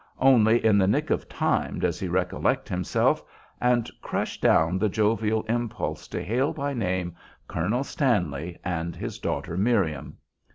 Only in the nick of time does he recollect himself and crush down the jovial impulse to hail by name Colonel Stanley and his daughter Miriam.